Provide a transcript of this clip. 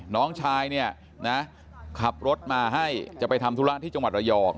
น้องชายเนี่ยนะขับรถมาให้จะไปทำธุระที่จังหวัดระยอง